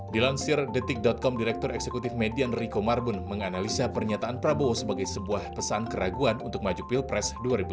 dilansir detik com direktur eksekutif median riko marbun menganalisa pernyataan prabowo sebagai sebuah pesan keraguan untuk maju pilpres dua ribu sembilan belas